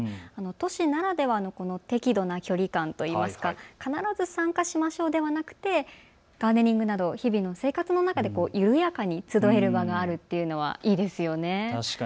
都市ならではの適度な距離感といいますか、必ず参加しましょうではなくてガーデニングなど日々の生活の中で緩やかに集える場があるというのは、いいですよね。